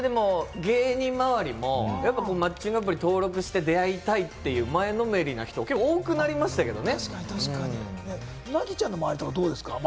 芸人周りでもマッチングアプリに登録して出会いたいって人が前のめりで結構多くなりましたけどね。